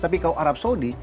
tapi kalau arab saudi